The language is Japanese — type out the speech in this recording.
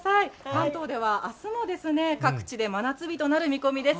関東ではあすも各地で真夏日となる見込みです。